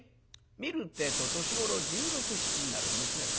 見るってえと年頃十六十七になる娘さん。